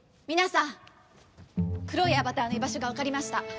みなさん黒いアバターの居場所がわかりました！